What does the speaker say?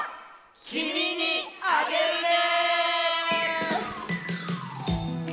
「きみにあげるね」！